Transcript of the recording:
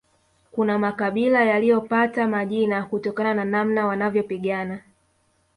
Kuna makabila yaliyopata majina kutokana na namna wanavyopigana